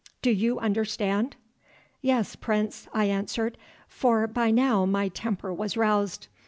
Do you understand?" "Yes, Prince," I answered, for by now my temper was roused.